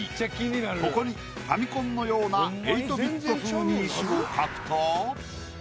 ここに「ファミコン」のような８ビット風に石を描くと。